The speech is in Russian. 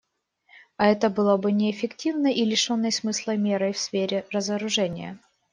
А это было бы неэффективной и лишенной смысла мерой в сфере разоружения.